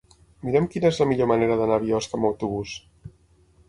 Mira'm quina és la millor manera d'anar a Biosca amb autobús.